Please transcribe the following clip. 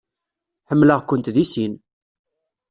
Ḥemmleɣ-kent deg sin.